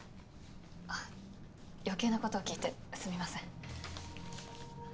あっ余計なことを聞いてすみません